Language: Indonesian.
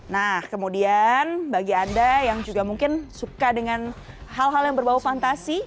nah kemudian bagi anda yang juga mungkin suka dengan hal hal yang berbau fantasi